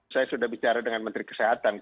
karena saya sudah berbicara dengan menteri kesehatan